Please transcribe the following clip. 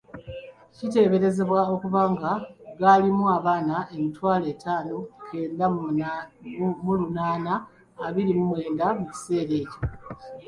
Kiteeberezebwa okuba nga gaalimu abaana emitwalo etaano kenda mu lunaana abiri mu mwenda mu kiseera ekyo.